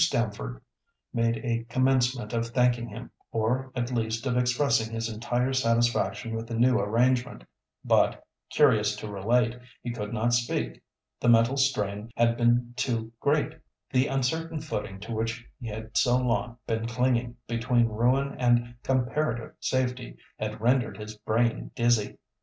Stamford made a commencement of thanking him, or at least of expressing his entire satisfaction with the new arrangement; but, curious to relate, he could not speak. The mental strain had been too great. The uncertain footing to which he had so long been clinging between ruin and comparative safety had rendered his brain dizzy.